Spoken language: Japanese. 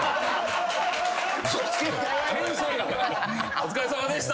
「お疲れさまでした」